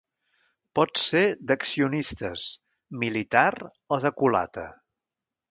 Pot ser d'accionistes, militar o de culata.